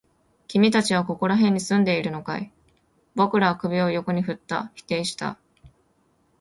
君たちはここら辺に住んでいるのかい？僕らは首を横に振った。否定した。